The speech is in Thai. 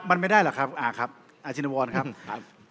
มันไม่ได้หรอกครับอาชินวรครับ